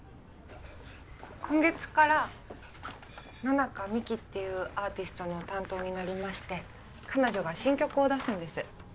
今月から野中美希っていうアーティストの担当になりまして彼女が新曲を出すんです。